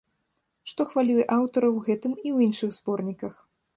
Што хвалюе аўтара ў гэтым і ў іншых зборніках?